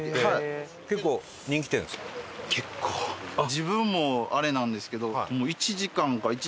自分もあれなんですけど。